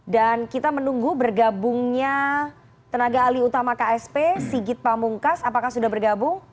dan kita menunggu bergabungnya tenaga alih utama ksp sigit pamungkas apakah sudah bergabung